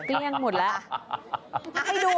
เกลี้ยงหมดแล้ว